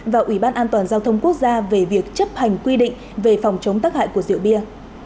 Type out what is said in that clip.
và ủy ban an toàn giao thông quốc gia về việc chấp hành quy định về phòng chống tắc hại của rượu bia